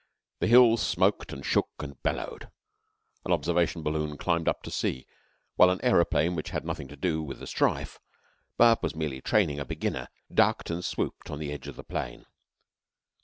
The hills smoked and shook and bellowed. An observation balloon climbed up to see; while an aeroplane which had nothing to do with the strife, but was merely training a beginner, ducked and swooped on the edge of the plain.